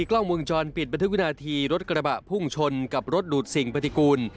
กล้องวงจรปิดบันทึกวินาทีรถกระบะพุ่งชนกับรถดูดสิ่งปฏิกูล